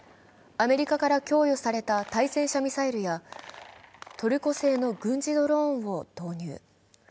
アメリカから供与された対戦車ミサイルやトルコ製の軍事ドローンを投入。